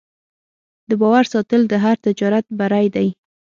د باور ساتل د هر تجارت بری دی.